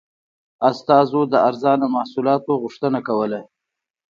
استازو د ارزانه محصولاتو غوښتنه کوله.